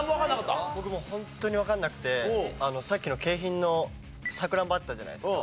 僕もうホントにわかんなくてさっきの景品のサクランボあったじゃないですか。